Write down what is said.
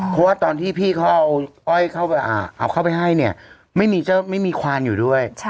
เพราะว่าตอนที่พี่เขาเอาเข้าไปให้เนี่ยไม่มีเจ้าไม่มีควานอยู่ด้วย